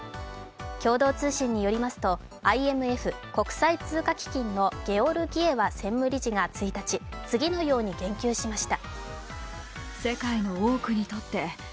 共同通信によりますと、ＩＭＦ＝国際通貨基金のゲオルギエワ専務理事が１日、次のように言及しました。